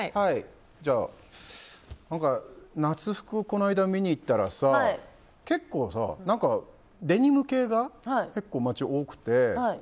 何か、夏服この間見に行ったらさ結構さ、デニム系が街、多くて。